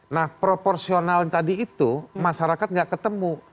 nah proporsional tadi itu masyarakat nggak ketemu